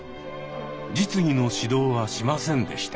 実技の指導はしませんでした。